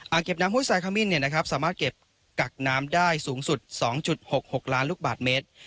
เก็บน้ำห้วยสายขมิ้นสามารถเก็บกักน้ำได้สูงสุด๒๖๖ล้านลูกบาทเมตร